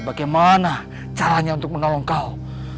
bagaimana caranya untuk menolong kau